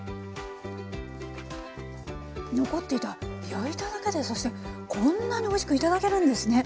焼いただけでそしてこんなにおいしく頂けるんですね。